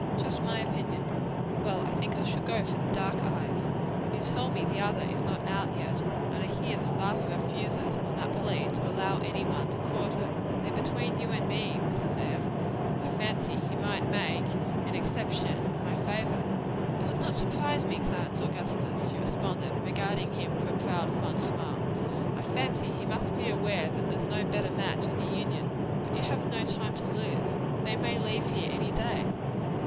"Just my opinion. Well, I think I shall go for the brown eyes; as you tell me the other is not yet out, and I hear the father refuses, on that plea, to allow any one to pay his addresses though, between you and me, Mrs. F., I fancy he might make an exception in my favor." "It would not surprise me, Clarence Augustus," she responded, regarding him with a proud, fond smile, "I fancy he must be aware that there's no better match in the Union. But you have no time to lose, they may leave here any day."